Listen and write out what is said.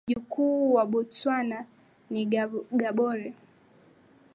Mji mkuu wa Botswana ni Gaborone